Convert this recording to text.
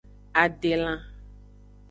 Adelan.